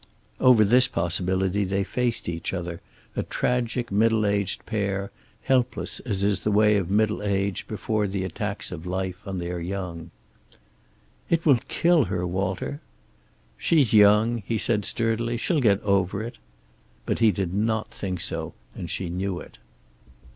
Over this possibility they faced each other, a tragic middle aged pair, helpless as is the way of middle age before the attacks of life on their young. "It will kill her, Walter." "She's young," he said sturdily. "She'll get over it." But he did not think so, and she knew it.